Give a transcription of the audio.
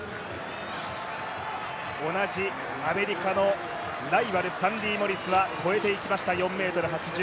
同じアメリカのライバルサンディ・モリスは越えていきました４ｍ８０。